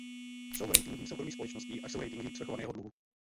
Jsou ratingy soukromých společností a jsou ratingy svrchovaného dluhu.